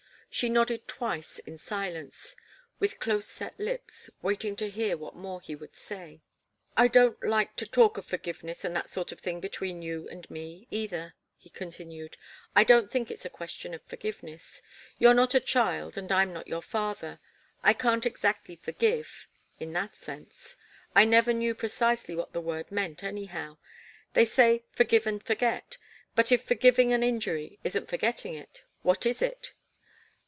She nodded twice in silence, with close set lips, waiting to hear what more he would say. "I don't like to talk of forgiveness and that sort of thing between you and me, either," he continued. "I don't think it's a question of forgiveness. You're not a child, and I'm not your father. I can't exactly forgive in that sense. I never knew precisely what the word meant, anyhow. They say 'forgive and forget' but if forgiving an injury isn't forgetting it, what is it?